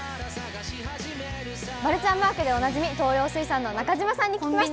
マルちゃんマークでおなじみ、東洋水産の中嶋さんに聞きました。